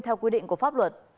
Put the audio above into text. theo quy định của pháp luật